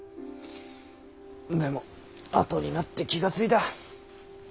でもあとになって気が付いた。